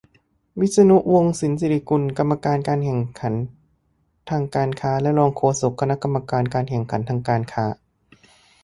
- วิษณุ วงศ์สินศิริกุล กรรมการการแข่งขันทางการค้า และรองโฆษกคณะกรรมการการแข่งขันทางการค้า